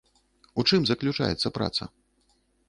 У чым заключаецца праца?